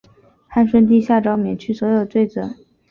汉顺帝下诏免去所有罪罚。